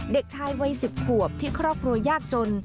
เด็กชายวัย๑๐ขวบที่ครอบครัวยากจน